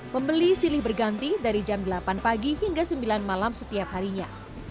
pembeli silih berganti dari jam delapan pagi hingga sembilan malam setiap harinya